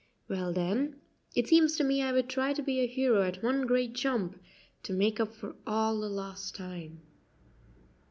"Well, then, it seems to me I would try to be a hero at one great jump, to make up for all the lost time."